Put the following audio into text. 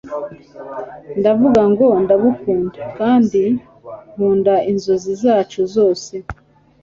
ndavuga ngo ndagukunda kandi nkunda inzozi zacu zose